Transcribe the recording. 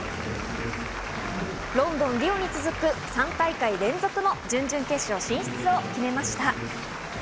ロンドン、リオに続く３大会連続の準々決勝進出を決めました。